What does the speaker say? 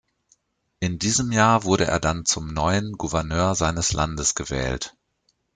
In diesem Jahr wurde er dann zum neuen Gouverneur seines Landes gewählt.